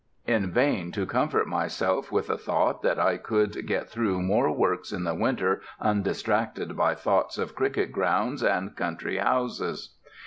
In vain to comfort myself with the thought that I could get through more work in the winter undistracted by thoughts of cricket grounds and country houses.